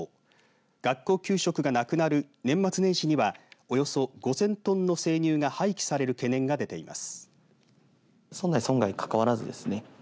学校給食がなくなる年末年始にはおよそ５０００トンの生乳が廃棄される懸念が出ています。